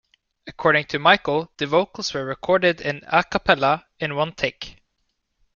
According to Michael, the vocals were recorded in a cappella in one take.